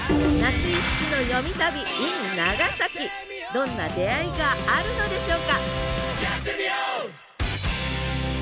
どんな出会いがあるのでしょうか